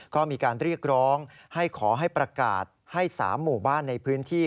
ก็มีการเรียกร้องให้ขอให้ประกาศให้๓หมู่บ้านในพื้นที่